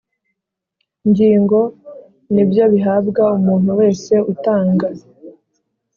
Ngingo nibyo bihabwa umuntu wese utanga